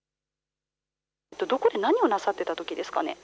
どこで何をなさっていたときですか。